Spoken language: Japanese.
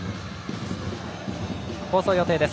放送予定です。